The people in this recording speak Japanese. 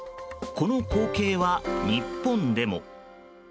この光景は日本でも。